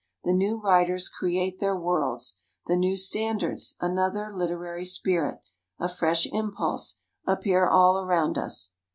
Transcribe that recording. The new writers create their worlds. The new standards, another literary spirit, a fresh impulse, appear all around us.